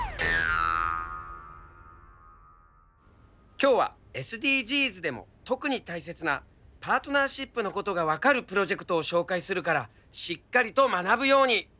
今日はＳＤＧｓでも特に大切なパートナーシップのことが分かるプロジェクトを紹介するからしっかりと学ぶように。